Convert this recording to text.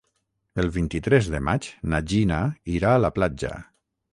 El vint-i-tres de maig na Gina irà a la platja.